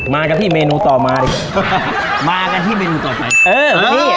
กันที่เมนูต่อมาดิมากันที่เมนูต่อไปเออนี่